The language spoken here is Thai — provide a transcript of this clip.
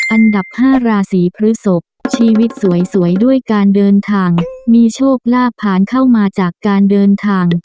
อันดับ๕ราศีพฤศพชีวิตสวยด้วยการเดินทางมีโชคลาภผ่านเข้ามาจากการเดินทาง